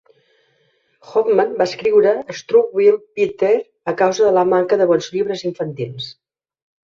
Hoffmann va escriure "Struwwelpeter" a causa de la manca de bons llibres infantils.